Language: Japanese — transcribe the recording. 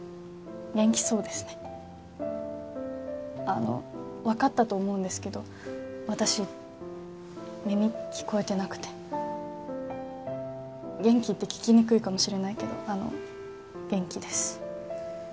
元気そうですねあの分かったと思うんですけど私耳聞こえてなくて元気？って聞きにくいかもしれないけどあの元気です